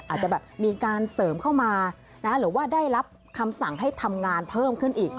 อาจจะแบบมีการเสริมเข้ามาหรือว่าได้รับคำสั่งให้ทำงานเพิ่มขึ้นอีก